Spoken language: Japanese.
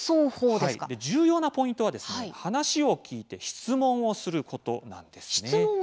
重要なポイントは話を聞いて質問をすることです。